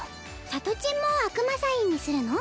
さとちんも悪魔サインにするの？